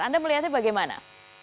anda melihatnya bagaimana